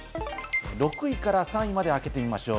６位から３位まで開けてみましょう。